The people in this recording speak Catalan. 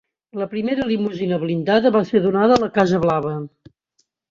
La primera limusina blindada va ser donada a la Casa Blava.